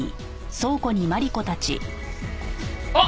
あっ！